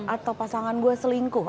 atau pasangan gue selingkuh